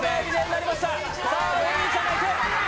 さあお兄ちゃんがいく。